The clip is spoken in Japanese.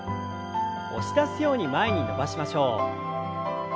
押し出すように前に伸ばしましょう。